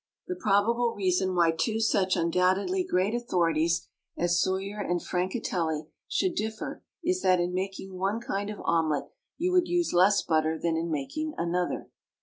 The probable reason why two such undoubtedly great authorities as Soyer and Francatelli should differ is that in making one kind of omelet you would use less butter than in making another.